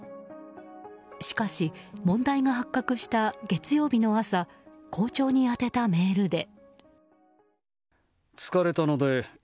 しかし問題が発覚した月曜日の朝校長に宛てたメールで。